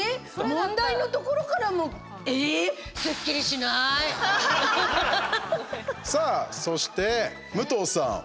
問題のところからもさあ、そして、武藤さん。